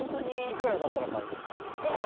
いくらだったら買う？え！